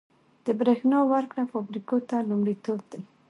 د بریښنا ورکړه فابریکو ته لومړیتوب دی